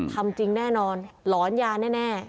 ทำจริงแน่นอนหลอนยาแน่